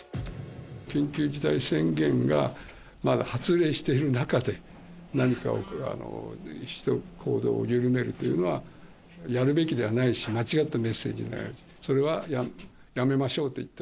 緊急事態宣言がまだ発令している中で、何かを、行動を緩めるというのはやるべきではないし、間違ったメッセージになるから、それはやめましょうと言った。